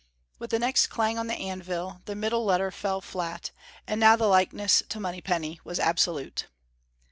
With the next clang on the anvil the middle letter fell flat, and now the likeness to Monypenny was absolute.